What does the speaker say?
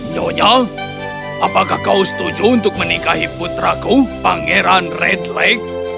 nyonya apakah kau setuju untuk menikahi putraku pangeran redleg